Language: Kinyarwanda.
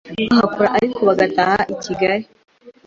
bahakora ariko bagataha i Kigali